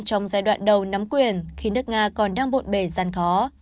trong giai đoạn đầu nắm quyền khi nước nga còn đang bộn bề gian khó